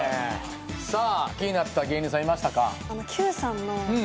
さあ気になった芸人さんいましたか？